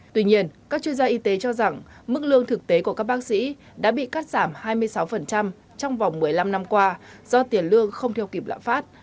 tuy nhiên các chuyên gia y tế cho rằng mức lương thực tế của các bác sĩ đã bị cắt giảm hai mươi sáu trong vòng một mươi năm năm qua do tiền lương không theo kịp lạm phát